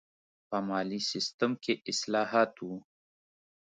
په مالي سیستم کې اصلاحات و.